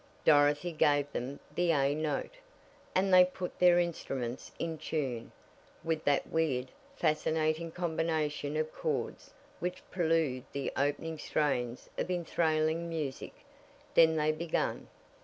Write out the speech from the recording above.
Dorothy gave them the "A" note, and they put their instruments in tune, with that weird, fascinating combination of chords which prelude the opening strains of enthralling music. Then they began.